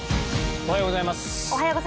おはようございます。